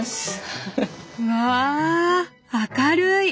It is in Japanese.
うわ明るい！